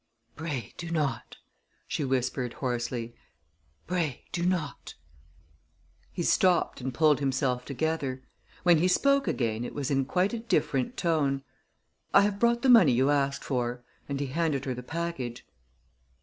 "Pray do not," she whispered hoarsely. "Pray do not." He stopped and pulled himself together. When he spoke again, it was in quite a different tone. "I have brought the money you asked for," and he handed her the package.